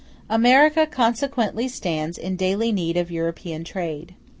America consequently stands in daily need of European trade.